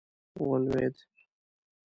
ولوېد.